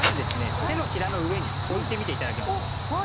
手のひらの上に置いてみて頂けますか？